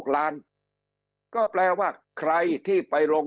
๑๖ล้าน